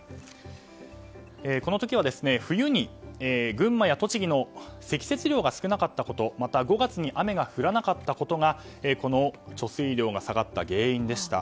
この時は冬に群馬や栃木の積雪量が少なかったことまた５月に雨が降らなかったことがこの貯水量が下がった原因でした。